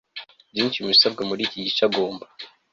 byinshi mu bisabwa muri iki Gice agomba